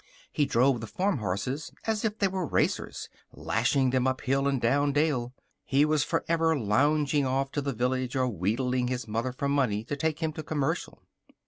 He drove the farm horses as if they were racers, lashing them up hill and down dale. He was forever lounging off to the village or wheedling his mother for money to take him to Commercial.